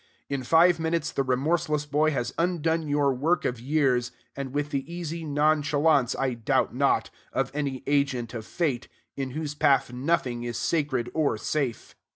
In five minutes the remorseless boy has undone your work of years, and with the easy nonchalance, I doubt not, of any agent of fate, in whose path nothing is sacred or safe.